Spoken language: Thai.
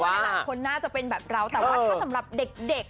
หลายคนน่าจะเป็นแบบเราแต่ว่าถ้าสำหรับเด็ก